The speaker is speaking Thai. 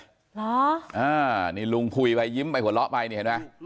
เหรออ่านี่ลุงคุยไปยิ้มไปหัวเราะไปนี่เห็นไหม